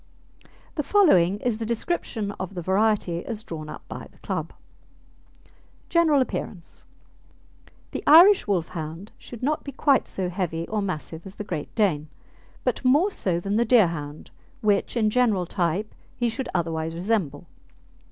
The following is the description of the variety as drawn up by the Club: GENERAL APPEARANCE The Irish Wolfhound should not be quite so heavy or massive as the Great Dane, but more so than the Deerhound, which in general type he should otherwise resemble.